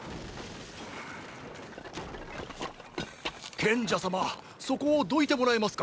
賢者様そこをどいてもらえますか？